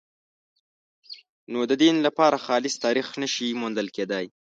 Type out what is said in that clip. نو د دین لپاره خالص تاریخ نه شي موندل کېدای.